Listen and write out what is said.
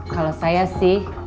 kalau saya sih